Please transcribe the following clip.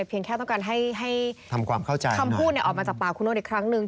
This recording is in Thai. เพียงแค่ต้องการให้คำพูดออกมาจากปากคุณโน๊ตอีกครั้งหนึ่ง